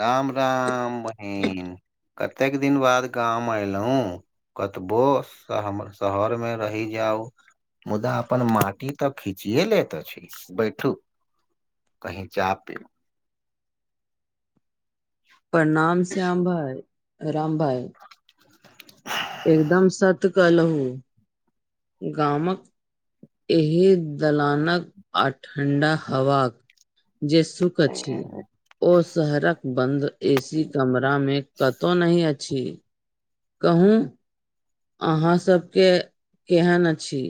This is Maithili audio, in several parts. राम-राम बहीन, कतेक दिन बाद गाम एयलहुँ। कतबो शम शहरमे रहि जाउ। मुदा अपन माटी तऽ खिचिये लेैत छै, बैठू। कही जा पि परणाम श्याम भाई, राम भाई। [unintelligible] एकदम सत कहलुहू, गामक एहि दलानक आ ठण्डा हवा जे सुख अछी ओ शहरक बन्द एसी कमरामे कतौ नहि अछि। कहू, अहाँ सबके केहन अछी।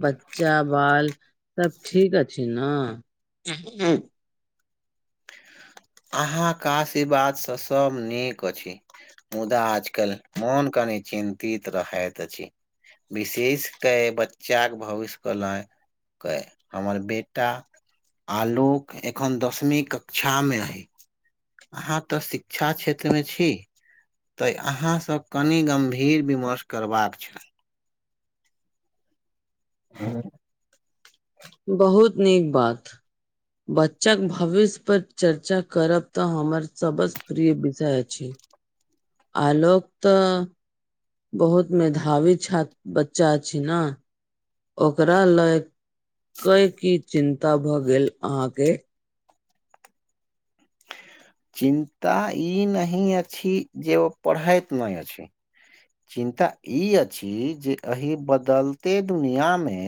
बच्चा-बाल सब ठीक अछि ने। अहाँ काशीर्वादसँ सभ नीक अछि। मुदा आजकल मोन कनी चिन्तित रहैत अछि। विशेष के बच्चाक के भविष्य क लए। कए, हमर बेटा आलुक एखन दसमी क क्षा मे हइ, हाँ तऽ शिक्षा क्षेत्र मे छी। तऽ अहाँसभ कनि गम्भीर विमर्श करबाक छल। ह बहुत नीक बात। बच्चाक भविष्य परर चर्चा करब तऽ हमर सबसँ प्रिय विषय अछि। आलोक तऽ बहुत मेधावी छात बच्चा अछि ने। ओकरा लय क की चिन्ता भए गेल अहााँके। चिन्ता ई नहिह अछी जे ऊ पढ़ाायत नहि अछी। चिन्ता ई अछि जे एहि बदलते दुनििया मे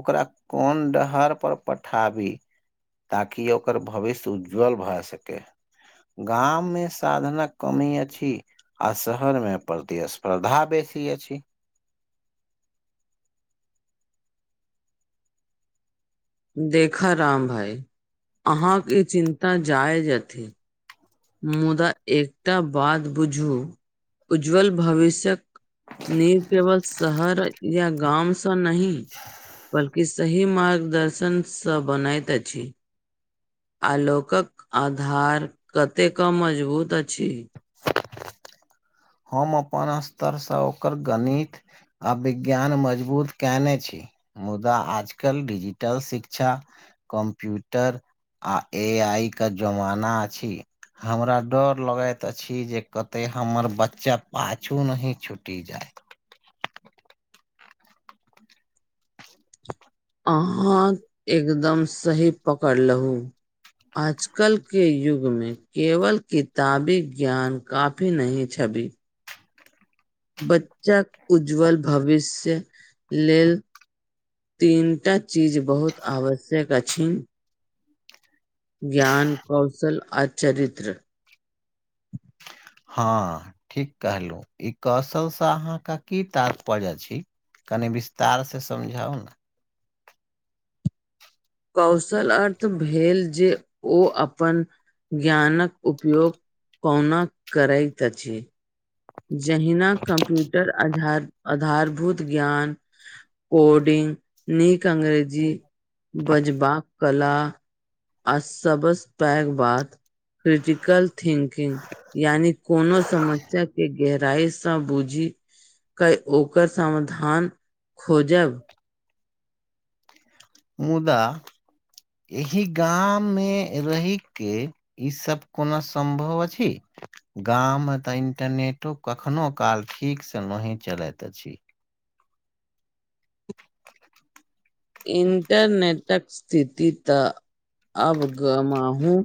ओकरा कोन डहर पर पठाबी। ताकि ओकर भविष्य उज्ज्वल भए सकै। गाममे साधनक कमी अछि। आ शहर मे प्रतिस्पर्धा बेसी अछि। देखऽ राम भाइ, अहााँके ई चिन्ता जाएज अथि। मुदा एकटा बात बुझू, उज्ज्वल भविष्यक नींव केवल शहर या गाम नहि, बल्कि सही मार्गदर्शन सँ बनैत अछि, आलोकक आधार कते कम मजबूत अछि। हम अपन स्तरसँ ओकर गणित आ विज्ञान मजबूत कयने छी। मुदा आजकल िजिटल शिक्षा कम्प्यूटर आ एआई के जमाना अछि। हमरा डर लगैत अछि जे कतय हमर बच चा पाछू नहि छुटि जाइ। अहाँ एकदम सही पकड़लहु। आजकल के युगमे केवल किताबी ज्ञान काफी नहि छबि। बच्चाक उज्ज्वल भविष्य लेल तीनटा चीज बहुत आवश्यक अछि। ज्ञान, कौशल आ चरित्र। हँ, ठीक कहलहुँ, ई कौशलसँ अहाँके की तार्पर्य छी। तनि विस्तारसँ समझाउ ने। कौशल अर्थ भेल जे ओ अपन ज्ञानक उपयोग कोौना करैत अछिै। जहिना कम्प्यूटर आध आधारभूत ज्ञान, कोडिंग, नीक अंग्रेजी बजबा, कला आ सबस पैघ बात क्रिटिकल थिंकिंग यानि कोनो समस्या गहराइसँ बूझी क ओकर समाधान खोजब मुदा, एहि गाम मे रहि के ईसब कोनो सम्भव अछी। गाममे तऽ इंटरनेटो कखनो काल ठीकसँ नहिही चलैत अछि। इन्टरनेटक स्थिति तऽ अब गमाहूँ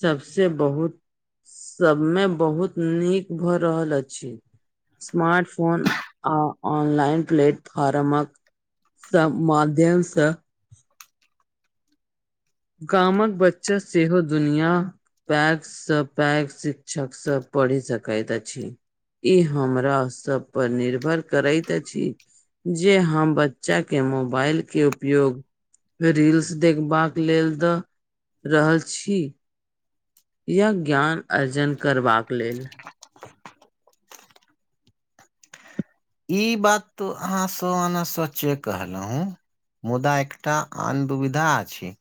सबसे बहुत, सबमे बहुत नीक भऽ रहल अछि। स्मार्ट फोन आ ऑनलाइन प्लेटफॉर््म सभ माध्यमसँ गामक बच्चा सेहो दुनिया पैक स पैक शिक्षक सब पढ़ि सकैत अछि। ई हमरा सभपर निर्भर करैत अछि। जे हम बच्चा के मोबाइल के उपयोग रील्स देखबाक लेल दऽ रहल छी या ज्ञान अर्जन करबाक लेल। ई बात तो अहाँ सौ आना सचे कहलहु। मुदा एकटा अन दुविधा अछी।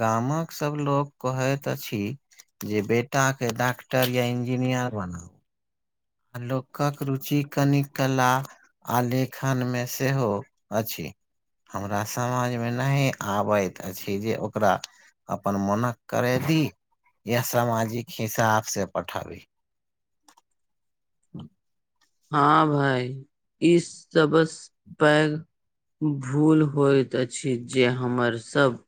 गामक सब लोको कहैत अछि जे बेटा के डॉक्टर या इंजीनियर बनाउ। आ लोकक रुचि कनि कला आ लेखन मे सेहो अछि। हमरा समझ मे नहि आबैत अछि जे ओकरा अपन मोन करे ही या सामाजिक हिसाब से पठाबी। [unintelligible] हँ भाई, इस सबस पैग भूल होइत अछि जे हमर सभ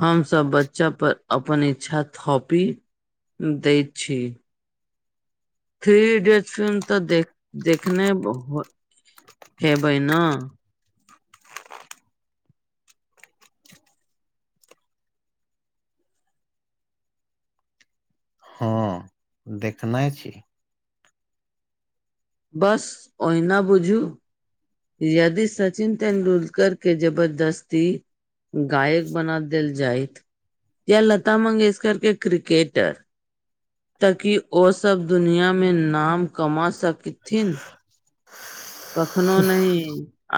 हमसभ बच्चा पर अपन इच्छा थपी दैइत छी। थ्री इडियट फिल्म तऽ देख देखने हो हेबै ने। हँ, देखने छी। बस, ओहिना बुझू। यदि सचिन तेंदुलकर के जबरदस्ती गायक बना देल जायत या लता मंगेेशकर के क्रिकेटर त कि ओ सब दुनियामे नाम कमा सकी ीन [unintelligible] कखनो नहि,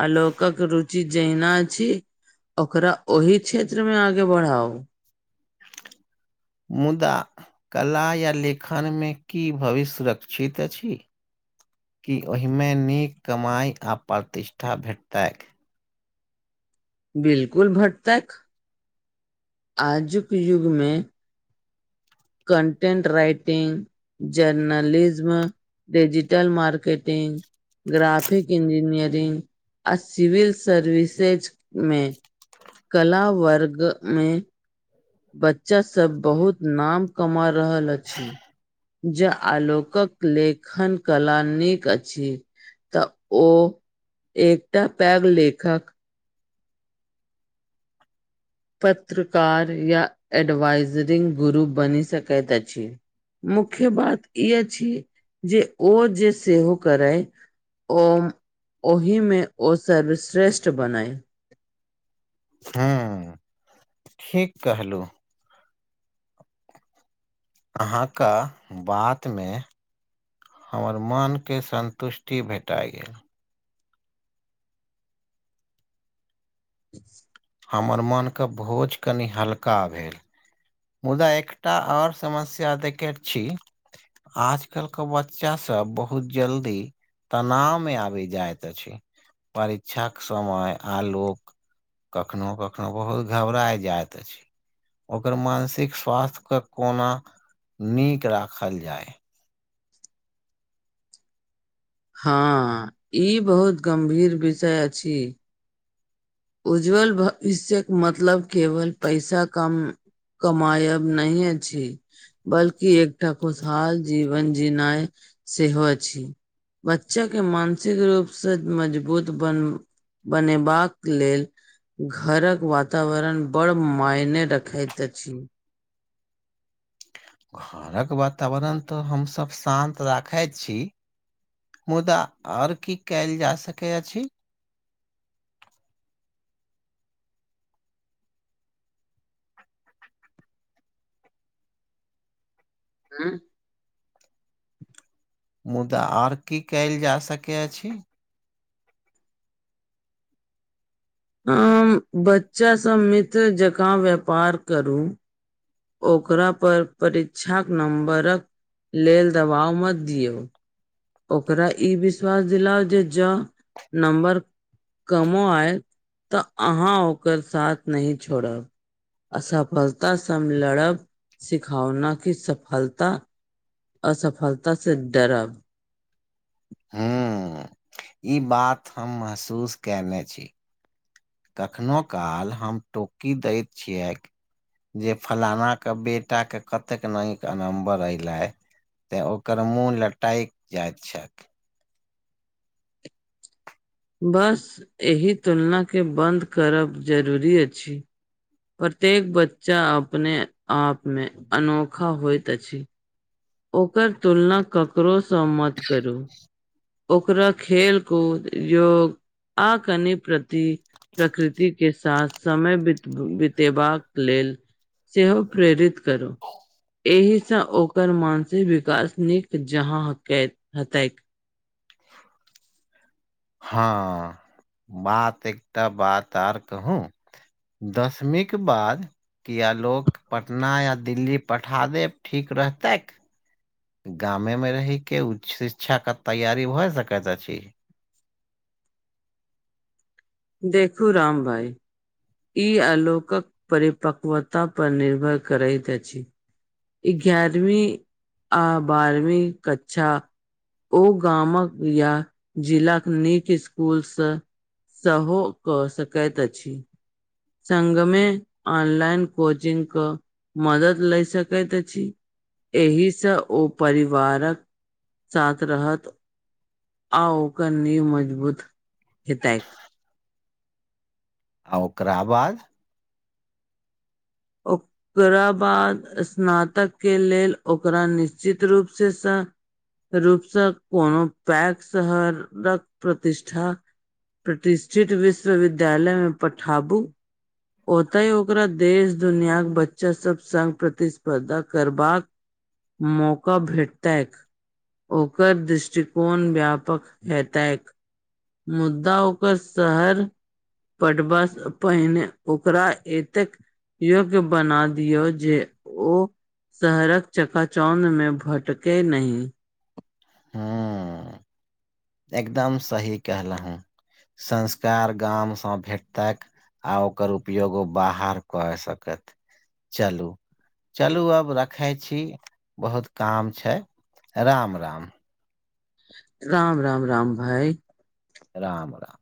आलक रुचि जना छी ओकरा ओहि क्षेत्र मे आगे बढ़ाउ। मुदा, कला या लेखनमे की भविष्य सुरक्षित अछि। की ओहिमे नीक कमाइ आ प्रतिष्ठा भेटतैक। बिलकुल भटतैक। आजुक युगमे content writing, journalism digital marketing graphic engineering आ सिविल सर्विसेजमे कला वर्ग में बच्चा सभ बहुत नाम कमा रहल अछि। जे आलोकक लेखन कला नीक अछि। तऽ ओ एकटा पैग लेखक पत्रकार या ऐडवाइजरिंग गुरु बनी सकैत अछी। मुख्य बात ई अछी जे ओ जे सेहो करए ओ ओहिमे ओ सर्वश्रेष्ठ बनय। ह्म्म, ठीक कहलु। अहाँके बात मे हमर मनके सन्तुष्टि भेटा गेल। हमर मनके भोज कनि हल्का भेल। मुदा एकटा आओर समस्या देखैत छी। आजकल के बच्चा सब बहुत जल्दी तनाव मे आब जाइत अछी, परीक्षा क समय आलोक कखनो कखनो बहुत घबराय जाइत अछि, ओकर म नसिक स्वास्थ्य के कोना नीक राखल जाय। हँ, ई बहुत गम्भीर विषय अछि। उज्ज्वल भविष्यके मतलब केवल पैसा कम कमाायब नहि अछी। बल्कि एकटा खुशहाल जीवन जिनाइ सेहो अछि। बच्चाक के मानसिक रूपसँ मजबूत बन बनेबाक लेल घरक वातावरण बड़ मायने रखैत अछि। घरक वातावरण तऽ हमसभ शान्त राखैत छी मुदा आओर की कयल जा सकैत अछि। हुँ, मुदा आओर की कयल जा सकैत अछि? अ बच्चा सब मित्र जकाँ व्यापार करू। ओकरा पर, परीक्षाक नंबरक लेल दबाव मत दियौ। ओकरा ई विश्वास दिला, जे ज नम्बर कमो आयत, तऽ अहाँ ओकर साथ न छोड़ब। असफलता सम लड़ब, सिखावना की सफलता असफलता से डरब। हुँ, ई बात हम महसूस कने छी। कखनोहु काल हम टोकी दैत छियै। जे फलानाके बेटाके, कतेक निक नम्बर अयलै। तऽ ओकर मुँह लटकि जाइत छैक। बस एहि तुलनाके बन्द करब जरूरी अछि। प्रत्येक बच्चा अपने आप मे अनोखा होइत अछि। ओकर तुलना ककरोसँ मत करू। ओकरा खेलकूद जोग आ कनि, प्रति प्रकृति के साथ समय बितेबाक लेल सेहो प्रेरित करु, एहिस ओ ओकर मानसिक विकास नीक जहाँ क हतै। [unintelligible] हँ बात एकटा बात आर कहू। दसमीक के बाद! किया लोक पटना, या दिल्ली पठा देब ठीक रहतैक। गामे मे रहि के, उच्च शिक्षा के तैयारी भए सकैत अछि? देखू राम भाइ। ई आलोकक परिपक्वता पर निर्भर करैत अछि। एगारवी आ बारवी क्चा ओ गामक, या जिलाक नीक स्कुलसँ सहो क सकैत अछि। संग मे, ऑनलाइन कोचिंग क, मदद ले सक कैत अछि, एहिसँ ओ परिवारक साथ रहत, आ ओकर नीव मजबूत हतैक। आ ओकरा बाद? ओ ओकरा बाद स्नातक के लेल, ओकरा निश्चित रूप से रूपसँ, कोनो पैघ शहरक, प्रतिष्ठा प्रतिष्ठित, विश्वविद्यालय में पठाबू। ओत ह ओकरा देश दुनियाके, बच्चा सब संग् प्रतिस्पर्धा करबाक मौका भेटतैक। ओकर दृष्टिकोण, व्यापक हेतैक। मुद्दा ओकर शहर पढ़बास पहिने ओकरा एतेक योग्य बना दियऔ जे, ओ शहरक चकाचौंध मे भटकै नहि। ह्म्म। एकदम सही कहलहु, संस्कार गामसँ भेटतक आ ओकर उपयोगो बाहर कऽ सकत चलू। चलू अब रखै छी, बहुत काम छै, राम-राम। राम-राम-राम भाई। राम-राम।